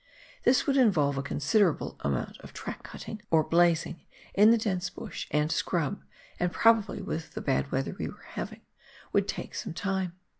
This would involve a considerable amount of track cutting or "blazing" in the dense bush and scrub, and probably, with the bad weather we were having, would take some time.